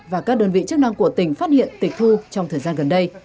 và các đơn vị chức năng của tỉnh phát hiện tịch thu trong thời gian gần đây